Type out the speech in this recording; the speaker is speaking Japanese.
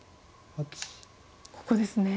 ここですね。